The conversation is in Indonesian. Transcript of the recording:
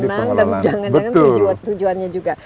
dan jangan jangan tujuannya juga